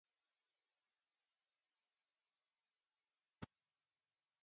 Metastases are most often present in the lymph nodes.